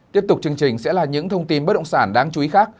tiếp tục chương trình sẽ là những thông tin bất động sản đáng chú ý khác